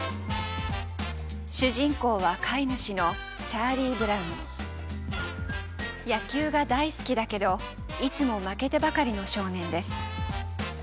主人公は飼い主の野球が大好きだけどいつも負けてばかりの少年です。